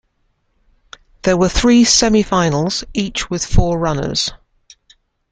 There were three semifinals, each with four runners.